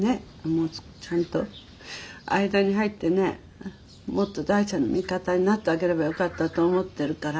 もうちゃんと間に入ってねもっと大ちゃんの味方になってあげればよかったと思ってるから。